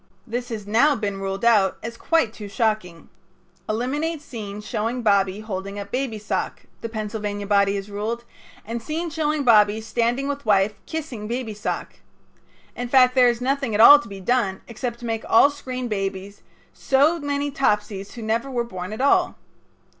This has now been ruled out as quite too shocking. "Eliminate scene showing Bobby holding up baby's sock," the Pennsylvania body has ruled, "and scene showing Bobby standing with wife kissing baby's sock." In fact, there is nothing at all to be done except to make all screen babies so many Topsies who never were born at all.